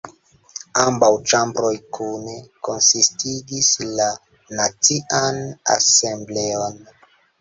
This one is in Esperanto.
Ambaŭ ĉambroj kune konsistigis la Nacian Asembleon.